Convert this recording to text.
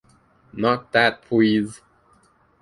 Not that, pwease!